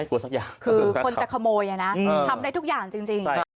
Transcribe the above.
คือคนจะขโมยนะทำได้ทุกอย่างจริง